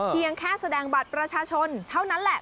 เพียงแค่แสดงบัตรประชาชนเท่านั้นแหละ